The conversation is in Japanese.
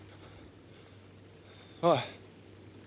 おい！